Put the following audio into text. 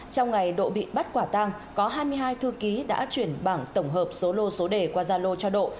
trong ngày độ bị bắt quả tang có hai mươi hai thư ký đã chuyển bảng tổng hợp số lô số để qua gia lô cho độ